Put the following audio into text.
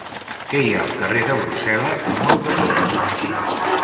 Què hi ha al carrer de Brussel·les número catorze?